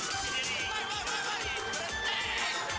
kau yang ngapain